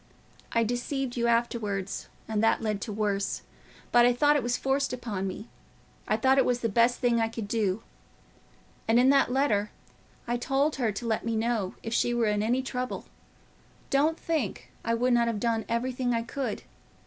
I deceived you afterwards—and that led on to worse; but I thought it was forced upon me, I thought it was the best thing I could do. And in that letter I told her to let me know if she were in any trouble: don't think I would not have done everything I could.